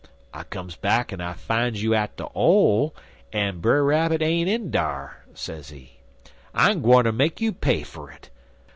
I comes back en I fines you at de 'ole en Brer Rabbit ain't in dar,' sezee. 'I'm gwineter make you pay fer't.